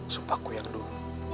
sumpahku yang dulu